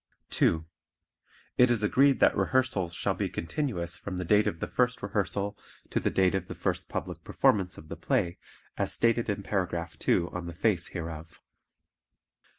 (2) It is agreed that rehearsals shall be continuous from the date of the first rehearsal to the date of the first public performance of the play, as stated in Paragraph 2 on the face hereof.